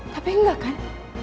tapi enggak kan